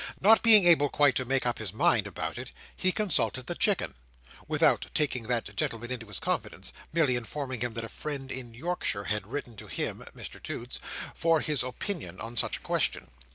Not being able quite to make up his mind about it, he consulted the Chicken—without taking that gentleman into his confidence; merely informing him that a friend in Yorkshire had written to him (Mr Toots) for his opinion on such a question.